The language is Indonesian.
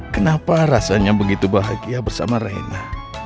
kenapa rasanya begitu bahagia bersama rena